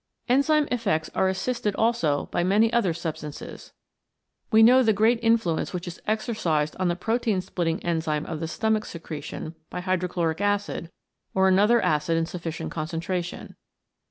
Enzyme effects are assisted also by many other substances. We know the great influence which JOI CHEMICAL PHENOMENA IN LIFE is exercised on the protein splitting enzyme of the stomach secretion by hydrochloric acid or another acid in sufficient concentration.